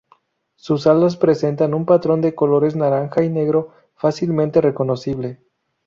Sus alas presentan un patrón de colores naranja y negro fácilmente reconocible.